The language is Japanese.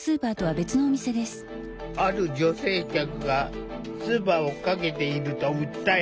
ある女性客がツバをかけていると訴え。